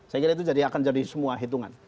saya kira itu akan jadi semua hitungan